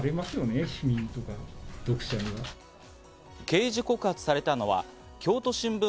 刑事告発されたのは京都新聞